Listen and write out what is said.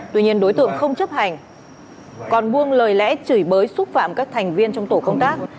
tuy nhiên đối tượng không chấp hành còn buông lời lẽ chửi bới xúc phạm các thành viên trong tổ công tác